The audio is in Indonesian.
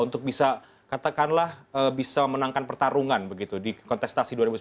untuk bisa katakanlah bisa menangkan pertarungan begitu di kontestasi dua ribu sembilan belas